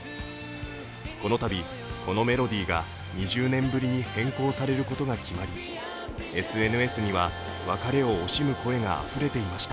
このたび、このメロディーが２０年ぶりに変更されることが決まりＳＮＳには別れを惜しむ声があふれていました。